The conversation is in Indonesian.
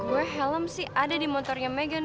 gue helm sih ada di motornya meghan